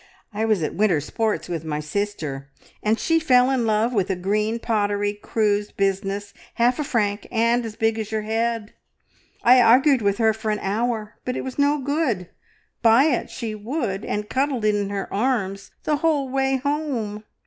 I was at winter sports with my sister, and she fell in love with a green pottery cruse business, half a franc, and as big as your head. I argued with her for an hour, but it was no good, buy it she would, and cuddled it in her arms the whole way home!